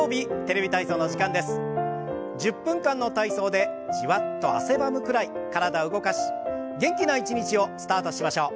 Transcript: １０分間の体操でじわっと汗ばむくらい体を動かし元気な一日をスタートしましょう。